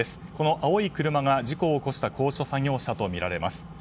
青い車が、事故を起こした高所作業車とみられます。